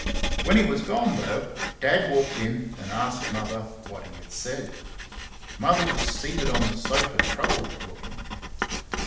When he was gone, though, Dad walked in and asked Mother what he had said. Mother was seated on the sofa, troubled looking.